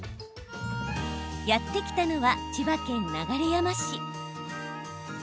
やって来たのは、千葉県流山市。